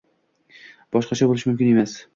Boshqacha bo'lishi mumkin emas